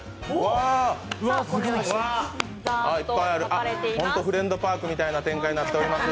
「東京フレンドパーク」みたいな展開になっております。